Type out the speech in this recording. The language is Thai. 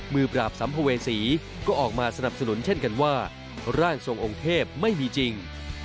มือปราบสัมภเวษีก็ออกมาสนับสนุนเช่นกันว่าร่างทรงองค์เทพไม่มีจริง